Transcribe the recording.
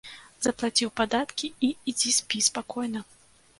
Заплаціў падаткі і ідзі спі спакойна.